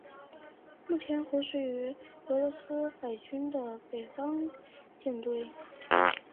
目前服役于俄罗斯海军的北方舰队。